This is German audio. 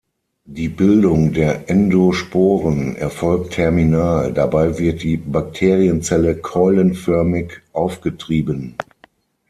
Die Bildung der Endosporen erfolgt terminal, dabei wird die Bakterienzelle keulenförmig aufgetrieben.